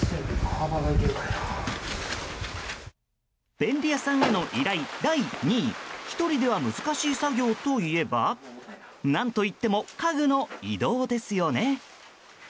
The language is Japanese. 便利屋さんへの依頼第２位１人では難しい作業といえば何といっても家具の移動ですよね。